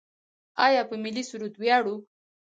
آیا په ملي سرود ویاړو؟